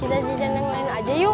kita jajan yang lain aja yuk